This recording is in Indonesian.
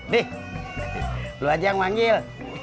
nih lu aja yang manggil